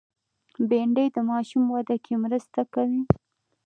بېنډۍ د ماشوم وده کې مرسته کوي